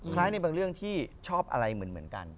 ในบางเรื่องที่ชอบอะไรเหมือนกัน